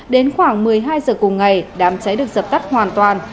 đến khoảng một mươi hai giờ cùng ngày đám cháy được dập tắt hoàn toàn